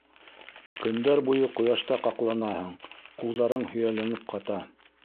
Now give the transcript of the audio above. Көндәр буйы ҡояшта ҡаҡланаһың, ҡулдарың һөйәлләнеп ҡата.